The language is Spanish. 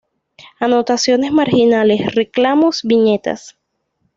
Anotaciones marginales, reclamos, viñetas.